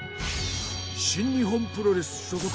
新日本プロレス所属。